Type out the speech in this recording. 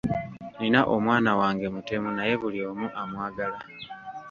Nnina omwana wange mutemu naye buli omu amwagala.